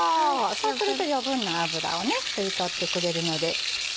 そうすると余分な脂を吸い取ってくれるので。